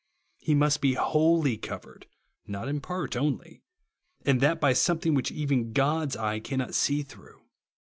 He must be ivholly covered, not in part only ; and that by something which even God's eye cannot see through.